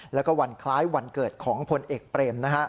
แล้วก็วันคล้ายวันเกิดของพลเอกเปรม